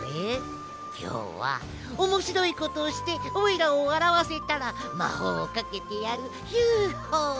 きょうはおもしろいことをしておいらをわらわせたらまほうをかけてやるヒュホ！